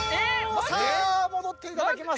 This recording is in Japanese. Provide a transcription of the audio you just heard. さあ戻っていただきます。